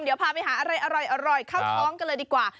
เดี๋ยวพาไปหาอะไรอร่อยเข้าท้องกันเลยดีกว่า